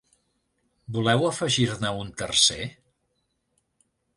Voleu afegir-ne un tercer?